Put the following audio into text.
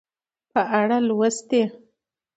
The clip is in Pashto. په اړه لوستي